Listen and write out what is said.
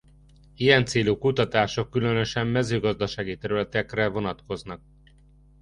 Ilyen célú kutatások különösen mezőgazdasági területekre vonatkoznak.